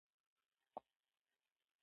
د تولید نېټه لیکل کېده.